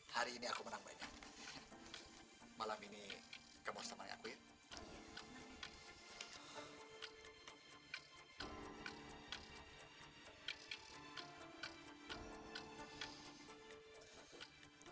hari ini aku menang banyak malam ini kemos teman aku ya